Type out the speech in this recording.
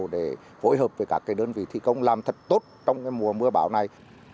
để phối hợp với các đơn vị thi công làm thật tốt trong mùa mưa bão này